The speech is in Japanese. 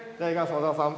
小沢さん。